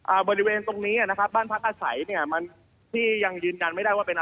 บริเวณตรงนี้อ่ะนะครับบ้านพักอาศัยเนี้ยมันที่ยังยืนยันไม่ได้ว่าเป็นอะไร